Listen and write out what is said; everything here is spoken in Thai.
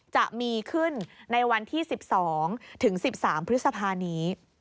จะมีขึ้นในวันที่๑๒ถึง๑๓พฤษภานี้